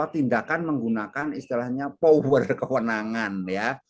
tindakan menggunakan istilahnya power kewenangan ya